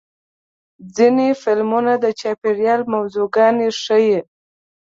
ځینې فلمونه د چاپېریال موضوعات ښیي.